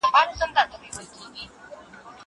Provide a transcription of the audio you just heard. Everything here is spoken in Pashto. زه پرون سندري اورم وم.